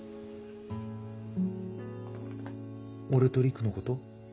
俺と璃久のこと？